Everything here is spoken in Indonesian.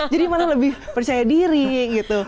jadi malah lebih percaya diri gitu